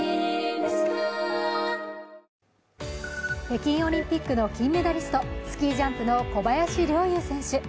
北京オリンピックの金メダリスト、スキージャンプの小林陵侑選手。